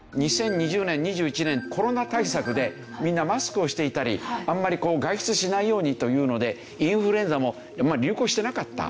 ２０２０年２０２１年コロナ対策でみんなマスクをしていたりあんまりこう外出しないようにというのでインフルエンザも流行してなかった。